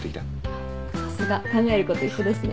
さすが。考えること一緒ですね。